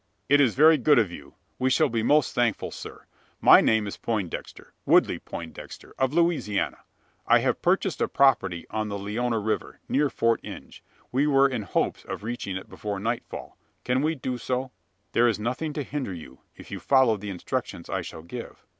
"It is very good of you. We shall be most thankful, sir. My name is Poindexter Woodley Poindexter, of Louisiana. I have purchased a property on the Leona river, near Fort Inge. We were in hopes of reaching it before nightfall. Can we do so?" "There is nothing to hinder you: if you follow the instructions I shall give."